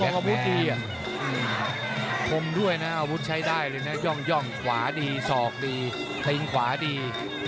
อาวุธดีคมด้วยนะอาวุธใช้ได้เลยนะย่องขวาดีศอกดีทิ้งขวาดี